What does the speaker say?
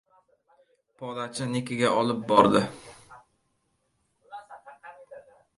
Podachi- nikiga olib bordi.